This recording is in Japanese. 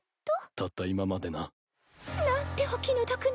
たった今までな。なんてお気の毒な。